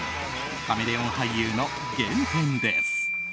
カメレオン俳優の原点です。